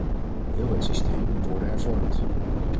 Heel het systeem moet worden hervormd.